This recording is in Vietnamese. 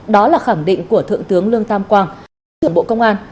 đó là khẳng định của thượng tướng lương tam quang thượng bộ công an